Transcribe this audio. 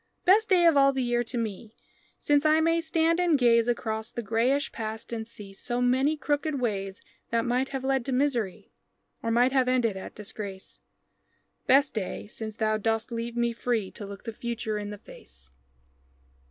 Best day of all the year to me, Since I may stand and gaze Across the grayish past and see So many crooked ways That might have led to misery, Or might have ended at Disgrace Best day since thou dost leave me free To look the future in the face.